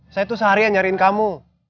saya tuh seharian nyariin kamu